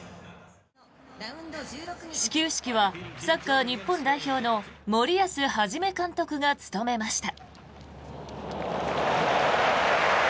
始球式はサッカー日本代表の森保一監督が務めました。